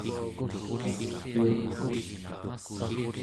qavciurtut